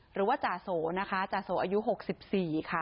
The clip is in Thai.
หรือว่าจาโสนะคะจาโสอายุ๖๔ค่ะ